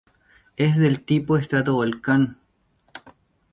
Es del tipo estratovolcán.